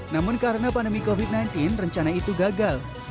namun karena pandemi covid sembilan belas rencana itu gagal